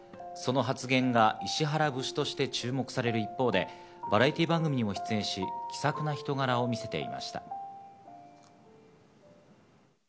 その発言が石原節として注目される一方で、バラエティー番組にも出演し、気さくな人柄を見せていました。